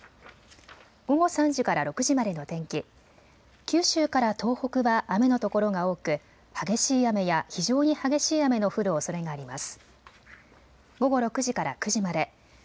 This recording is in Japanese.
午後３時から６時までの天気、九州から東北は雨のところが多く激しい雨や非常に激しい雨の降るおそれがあります。